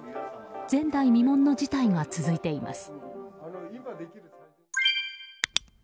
前代未聞の事態が続いています。